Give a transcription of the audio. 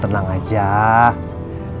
jangan jangan jangan jangan